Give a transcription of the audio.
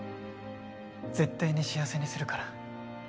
絶対に幸せにするから。